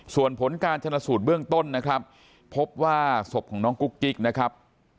ส่วนผลการชนสูตรเบื้องต้นนะครับพบว่าศพของน้องกุ๊กกิ๊กนะครับ